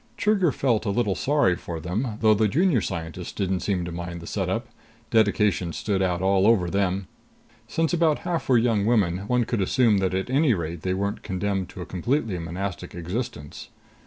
Trigger felt a little sorry for them, though the Junior Scientists didn't seem to mind the setup. Dedication stood out all over them. Since about half were young women, one could assume that at any rate they weren't condemned to a completely monastic existence.